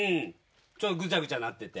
ちょっとぐちゃぐちゃなってて。